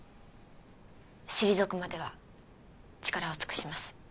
退くまでは力を尽くします